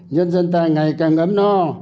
nhân dân ta ngày càng ấm no